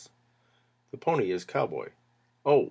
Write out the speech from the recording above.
THE PONY AS COWBOY Oh!